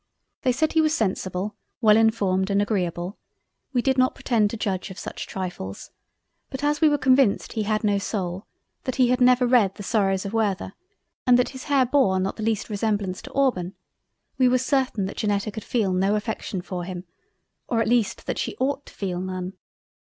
They said he was Sensible, well informed, and Agreable; we did not pretend to Judge of such trifles, but as we were convinced he had no soul, that he had never read the sorrows of Werter, and that his Hair bore not the least resemblance to auburn, we were certain that Janetta could feel no affection for him, or at least that she ought to feel none.